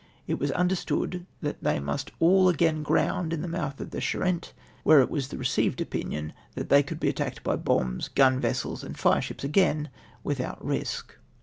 It was understood that they must all again ground in the mouth of the Charente where it was the reeeived opinion they could he attacked by bombs, gun vessels, and fire ships again, without risk.'''